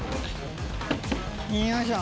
よいしょ。